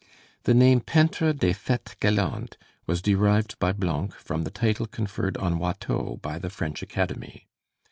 The name 'Peintres des Fêtes Galantes' was derived by Blanc from the title conferred on Watteau by the French Academy.